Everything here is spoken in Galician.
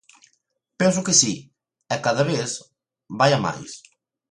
Penso que si, e cada vez vai a máis.